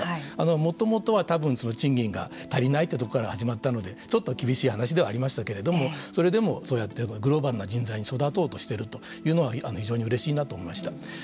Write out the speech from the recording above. もともとは多分賃金が足りないってとこから始まったのでちょっと厳しい話ではありましたけれどもそれでも、そうやってグローバルな人材に育とうとしているというのは非常にうれしいなと思いました。